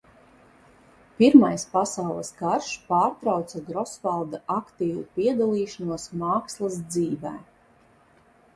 Pirmais pasaules karš pārtrauca Grosvalda aktīvu piedalīšanos mākslas dzīvē.